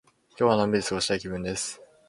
今日はのんびり過ごしたい気分です。